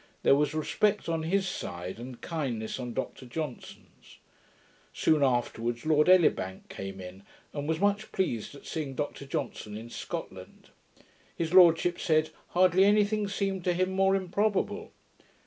There was respect on his side, and kindness on Dr Johnson's. Soon afterwards Lord Elibank came in, and was much pleased at seeing Dr Johnson in Scotland. His lordship said, 'hardly any thing seemed to him more improbable'.